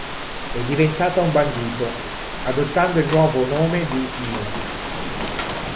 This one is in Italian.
È diventata un bandito, adottando il nuovo nome di "Io".